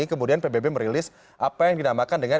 kemudian pbb merilis apa yang dinamakan dengan